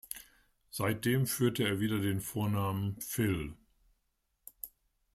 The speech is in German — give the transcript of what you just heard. Seitdem führte er wieder den Vornamen „Phil“.